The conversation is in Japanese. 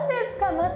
また。